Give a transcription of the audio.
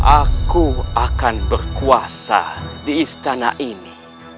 aku akan berkuasa di istana ini